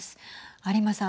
有馬さん。